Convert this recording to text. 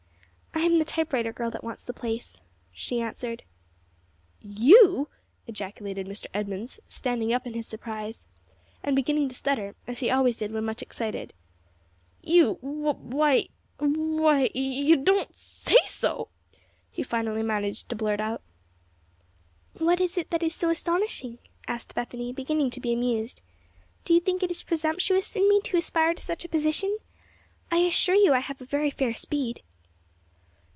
"I am the typewriter girl that wants the place," she answered. "You!" ejaculated Mr. Edmunds, standing up in his surprise, and beginning to stutter as he always did when much excited. "You! w'y w'y w'y, you don't say so!" he finally managed to blurt out. "What is it that is so astonishing?" asked Bethany, beginning to be amused. "Do you think it is presumptuous in me to aspire to such a position? I assure you I have a very fair speed."